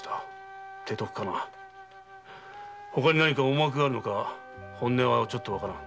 ほかに思惑があるのか本音はちょっと判らん。